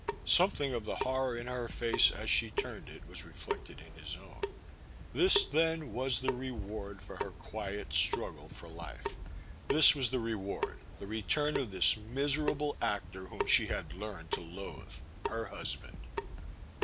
Something of the horror in her face as she turned it was reflected in his own. This, then, was the reward for her quiet struggle for life; this was the reward, — ^the return of this miserable actor whom she had learned to loathe — ^her hus band!